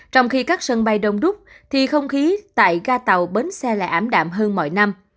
trong khi các sân bay đông đúc thì không khí tại ga tàu bến xe lại ảm đạm hơn mọi năm